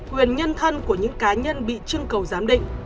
quyền nhân thân của những cá nhân bị trưng cầu giám định